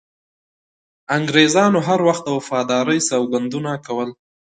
انګریزانو هر وخت د وفادارۍ سوګندونه کول.